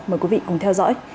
mời quý vị cùng theo dõi